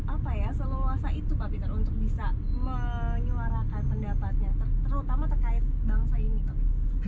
apa ya seluasa itu pak peter untuk bisa menyuarakan pendapatnya terutama terkait bangsa ini